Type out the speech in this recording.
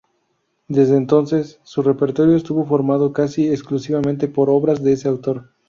Desde entonces su repertorio estuvo formado casi exclusivamente por obras de este autor.